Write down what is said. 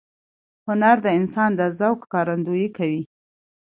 هنر د انسان د ذوق ښکارندویي کوي.